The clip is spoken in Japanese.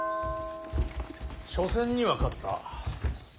緒戦には勝った。